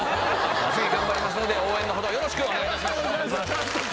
次頑張りますので応援のほどよろしくお願いいたします